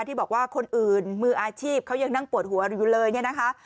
ที่บอกว่าคนอื่นมืออาชีพเขายังนั่งปวดหัวอยู่เลยเนี่ยนะคะ